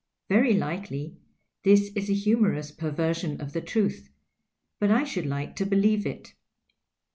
Very likely this is a humorous perver sion of the truth ; but I should like to believe it.